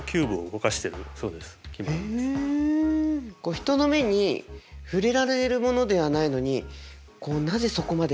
人の目に触れられるものではないのになぜそこまでやり続けるんでしょうか？